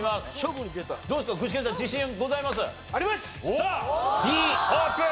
さあＤオープン！